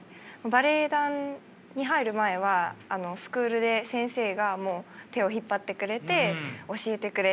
バレエ団に入る前はスクールで先生が手を引っ張ってくれて教えてくれて。